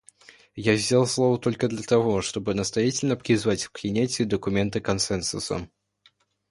Я взял слово только для того, чтобы настоятельно призвать к принятию документа консенсусом.